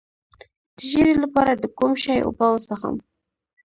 د ژیړي لپاره د کوم شي اوبه وڅښم؟